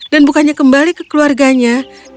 dan bukannya kembali ke keluarganya